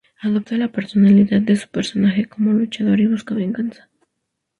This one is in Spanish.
Adopta la personalidad de su personaje como luchador y busca venganza.